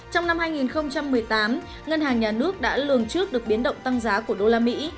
trong năm hai nghìn một mươi tám ngân hàng nhà nước đã lường trước được biến động tăng giá của đô la mỹ